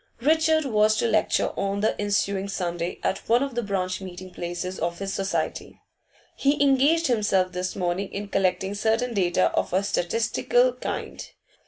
Richard was to lecture on the ensuing Sunday at one of the branch meeting places of his society; he engaged himself this morning in collecting certain data of a statistical kind.